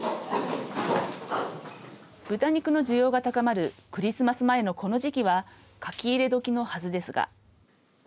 豚肉の需要が高まるクリスマス前のこの時期はかき入れ時のはずですが。